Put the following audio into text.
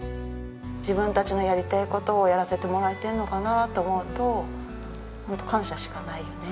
自分たちのやりたい事をやらせてもらえてるのかなと思うとホント感謝しかないよね。